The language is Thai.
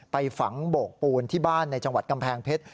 ไปฝังโบกปูนที่บ้านในจังหวัดกำแพงเพชร